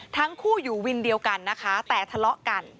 ทั้งคู่อยู่วินเดียวกันนะคะแต่ทะเลาะกัน